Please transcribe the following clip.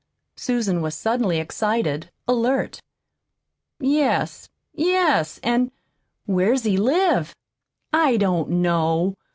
Susan was suddenly excited, alert. "Yes, yes. And " "Where's he live?" "I don't know.